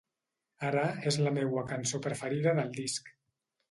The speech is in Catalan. Ara, és la meua cançó preferida del disc.